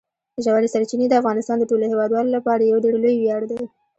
ژورې سرچینې د افغانستان د ټولو هیوادوالو لپاره یو ډېر لوی ویاړ دی.